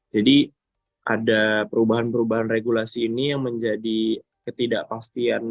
jadi ada perubahan perubahan regulasi ini yang menjadi ketidakpastian